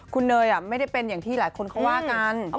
คุณเนยไม่ได้เป็นอย่างที่หลายคนเขาว่ากัน